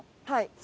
はい。